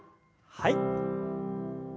はい。